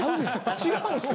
違うんすか？